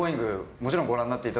もちろん。